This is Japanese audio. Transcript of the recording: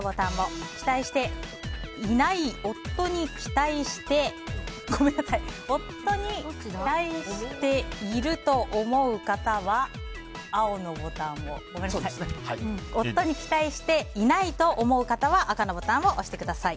夫に期待していないと思わない方は青のボタンを夫に期待していないと思う方は赤のボタンを押してください。